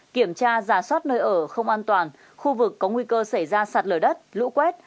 kiểm tra giả soát nơi ở không an toàn khu vực có nguy cơ xảy ra sạt lở đất lũ quét